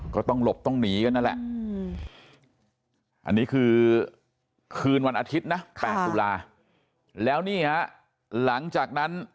ต้องหลบต้องหนีกันนั่นแหละอันนี้คือคืนวันอาทิตย์นะ๘ตุลาแล้วนี่ฮะหลังจากนั้น